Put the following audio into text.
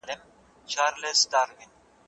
ده په پښتو کې رباعي او مسدس داخل کړل